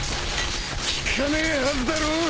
効かねえはずだろ！？